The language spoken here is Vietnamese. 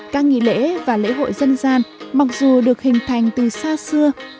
các nghỉ lễ và lễ hội dân gian mặc dù được hình thành từ xa xưa